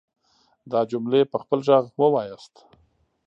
دا جملې په خپل غږ وواياست.